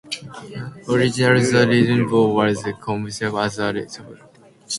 Originally the neighborhood was conceived as a resort.